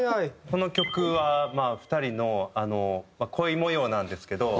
この曲は２人の恋模様なんですけど。